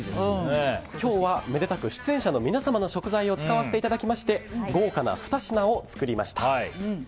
今日はめでたく出演者の皆様の食材を使わせていただきまして豪華な２品を作りました。